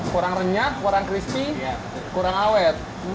kurang renyah kurang crispy kurang awet